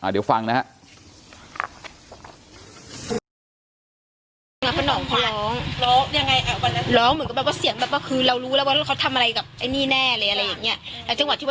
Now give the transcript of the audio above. เดี๋ยวฟังนะฮะ